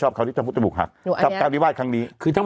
โอยแบบนี้